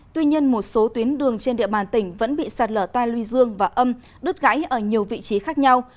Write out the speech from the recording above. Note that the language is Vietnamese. tuy nhiên một số tuyến đường trên địa bàn tỉnh vẫn bị sạt lở tai luy dương và âm đứt gãy ở nhiều vị trí khác nhau